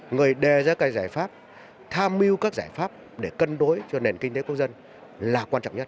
người đề ra các giải pháp tham mưu các giải pháp để cân đối cho nền kinh tế quốc dân là quan trọng nhất